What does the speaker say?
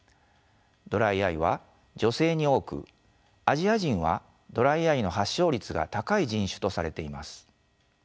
ドライアイは女性に多くアジア人はドライアイの発症率が高い人種とされています。